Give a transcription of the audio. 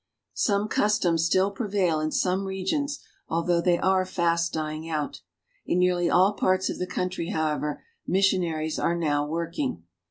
Such customs still prevail in some regions, although they are fast dying out. In nearly all parts ' of the country, however, missionaries are now working.